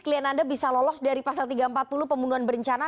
klien anda bisa lolos dari pasal tiga ratus empat puluh pembunuhan berencana